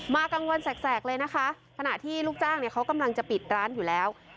กลางวันแสกเลยนะคะขณะที่ลูกจ้างเนี่ยเขากำลังจะปิดร้านอยู่แล้ว